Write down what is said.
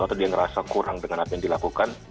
atau dia merasa kurang dengan apa yang dilakukan